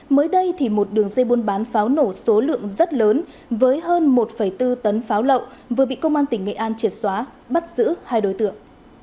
mới đây thì một đường dây buôn bán pháo nổ số lượng rất lớn với hơn một bốn tấn pháo lậu vừa bị công an tỉnh nghệ an triệt xóa bắt giữ hai đối tượng